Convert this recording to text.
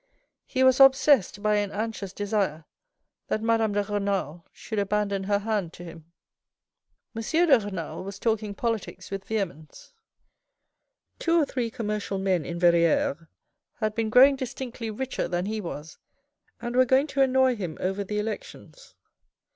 He was obsessed by an anxious desire that Madame de Renal should abandon her hand to him. M. de Renal was talking politics with vehemence ; two or three commercial men in Verrieres had been growing distinctly richer than he was, and were going to annoy him over the elections.